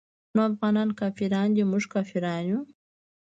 نو افغانان کافران دي موږ کافران يو.